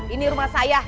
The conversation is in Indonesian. ini rumah saya